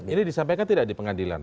ini disampaikan tidak di pengadilan